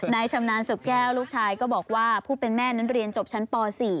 ชำนาญศพแก้วลูกชายก็บอกว่าผู้เป็นแม่นั้นเรียนจบชั้นป๔